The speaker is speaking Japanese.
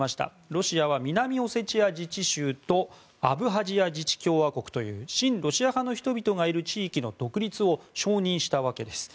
ロシアは、南オセチア自治州とアブハジア自治共和国という親ロシア派の人々がいる地域の独立を承認したわけです。